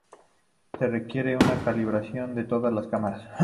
Se requiere una calibración de todas las cámaras.